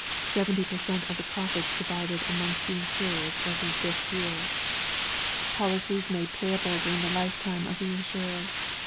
Seventy per Cent. of the Profits divided amongst the Insurers every fifth year. POLICIES MADE PAYABLE DURING THE LIFETIME OF THE INSURER.